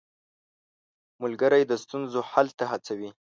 ملګری د ستونزو حل ته هڅوي.